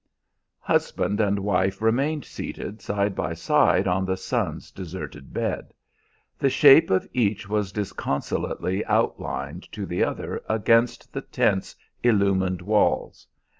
Husband and wife remained seated side by side on the son's deserted bed. The shape of each was disconsolately outlined to the other against the tent's illumined walls.